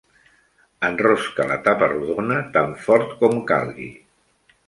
Enrosca la tapa rodona tan fort com calgui.